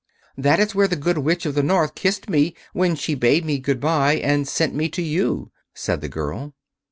"That is where the Good Witch of the North kissed me when she bade me good bye and sent me to you," said the girl.